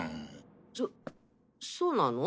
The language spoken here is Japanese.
そそうなの？